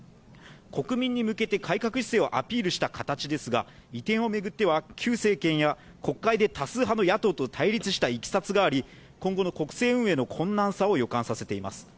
国民に向けて改革姿勢をアピールした形ですが、移転を巡っては旧政権や国会で多数派の野党と対立したいきさつがあり今後の国政運営の困難さを予感させています。